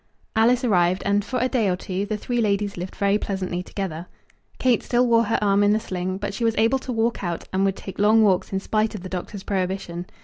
Alice arrived, and, for a day or two, the three ladies lived very pleasantly together. Kate still wore her arm in a sling; but she was able to walk out, and would take long walks in spite of the doctor's prohibition.